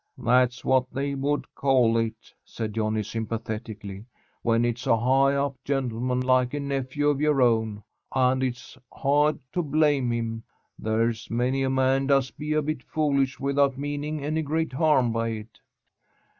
"That's what they would call it," said Johnny sympathetically, "when it's a high up gentleman like a nephew of your own. And it's hard to blame him. There's many a man does be a bit foolish without meaning any great harm by it."